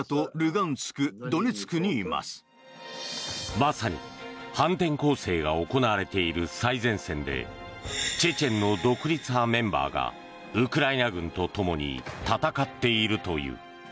まさに反転攻勢が行われている最前線でチェチェンの独立派メンバーがウクライナ軍とともに戦っているという。